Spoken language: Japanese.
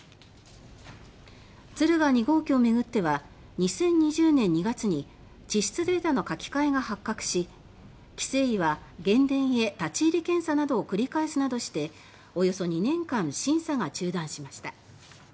敦賀２号機を巡っては２０２０年２月に地質データの書き換えが発覚し規制委は原電へ立ち入り検査などを繰り返すなどしておよそ２年間審査が中断しました。